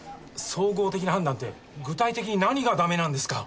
総合的な判断って具体的に何がダメなんですか？